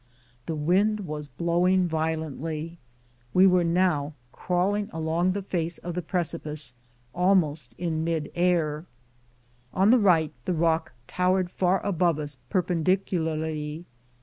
The wind was blow ing violently. We were now crawling along the face of the precipice almost in riiid air. On the right the rock towered far above us perpendicularly.